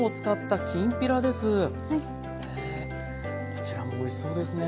こちらもおいしそうですね。